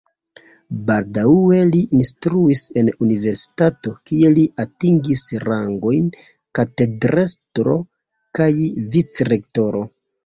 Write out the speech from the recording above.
Baldaŭe li instruis en universitato, kie li atingis rangojn katedrestro kaj vicrektoro.